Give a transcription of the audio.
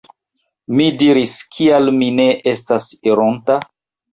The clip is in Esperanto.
Mi diris; “Kial mi ne estas ironta? »